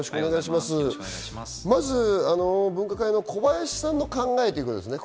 まず分科会の小林さんの考えということですね。